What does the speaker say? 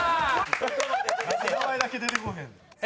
名前だけ出てこおへん。